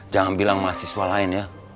jangan bilang mahasiswa lain ya